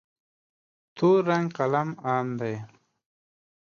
تور رنګ قلم عام دی.